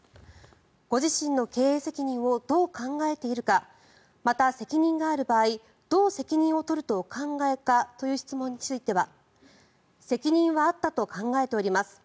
ご自身の経営責任をどう考えているかまた、責任がある場合どう責任を取るとお考えかという質問に対しては責任はあったと考えております